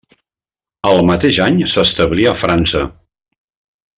El mateix any s'establí a França.